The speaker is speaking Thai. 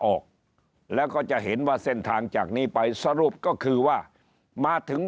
ออกแล้วก็จะเห็นว่าเส้นทางจากนี้ไปสรุปก็คือว่ามาถึง